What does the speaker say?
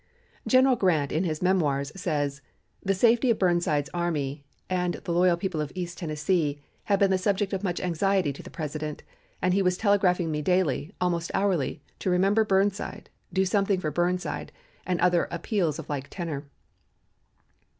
General Grant in his "Memoirs" says: "The safety of Burnside's army and the loyal people of East Tennessee had been the subject of much anxiety to the President, and he was telegraphing me daily, almost hourly, to 'remember Burnside,' 'do something for Burnside,' and other appeals of like tenor."